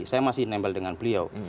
saya masih nempel dengan beliau